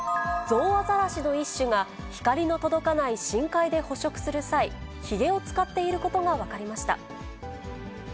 ゾウアザラシの一種が、光の届かない深海で捕食する際、ひげを使っていることが分かりました。